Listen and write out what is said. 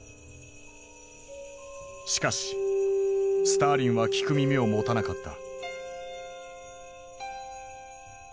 しかしスターリンは聞く耳を持たなかった。